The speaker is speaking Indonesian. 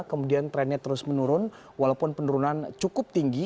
kemudian trennya terus menurun walaupun penurunan cukup tinggi